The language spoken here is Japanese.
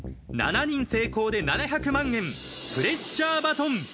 ７人成功で７００万円プレッシャーバトン。